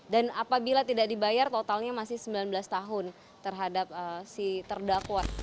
dan apabila tidak dibayar totalnya masih sembilan belas tahun terhadap si terdakwa